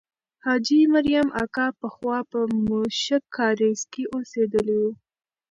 حاجي مریم اکا پخوا په موشک کارېز کې اوسېدلې وه.